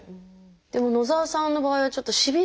でも野澤さんの場合はちょっとしびれがね